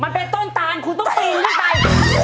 มันเป็นต้นตานคุณต้องปีนขึ้นไป